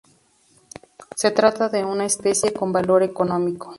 Se trata de una especie con valor económico.